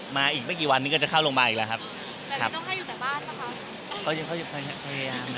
มาอีกไม่กี่วันนึงก็จะเข้าโรงพยาบาลอีกแล้วครับ